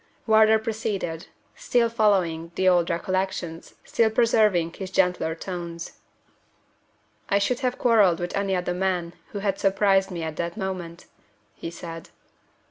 Wardour proceeded still following the old recollections, still preserving his gentler tones. "I should have quarreled with any other man who had surprised me at that moment," he said.